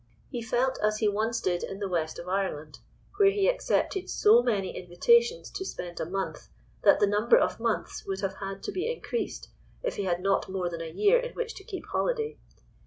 He felt as he once did in the west of Ireland, where he accepted so many invitations to spend a month, that the number of months would have had to be increased if he had not more than a year in which to keep holiday.